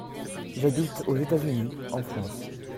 J'habite (aux États-Unis/en France).